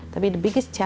tapi di mana